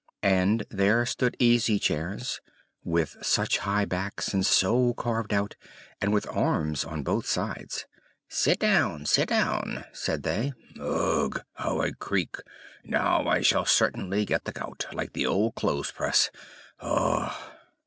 And there stood easy chairs, with such high backs, and so carved out, and with arms on both sides. "Sit down! sit down!" said they. "Ugh! how I creak; now I shall certainly get the gout, like the old clothespress, ugh!"